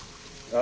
あ。